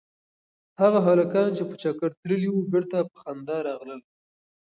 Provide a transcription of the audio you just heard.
هغه هلکان چې په چکر تللي وو بېرته په خندا راغلل.